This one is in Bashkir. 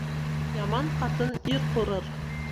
Яман ҡатын ир ҡурыр.